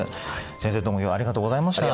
先生どうも今日はありがとうございました。